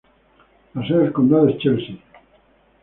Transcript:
La sede del condado es Chelsea.